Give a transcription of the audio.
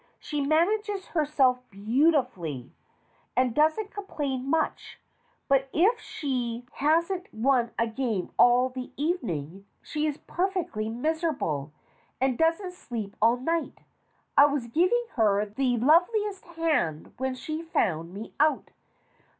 She manages her self beautifully, and doesn't complain much; but if she 206 STORIES WITHOUT TEARS hasn't won a game all the evening, she is perfectly mis erable, and doesn't sleep all night. I was giving her the loveliest hand when she found me out.